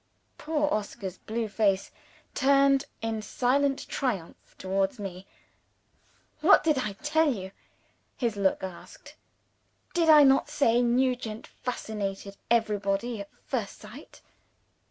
Poor Oscar's blue face turned in silent triumph towards me. "What did I tell you?" his look asked. "Did I not say Nugent fascinated everybody at first sight?"